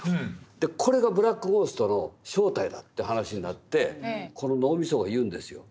でこれがブラック・ゴーストの正体だって話になってこの脳みそが言うんですよ。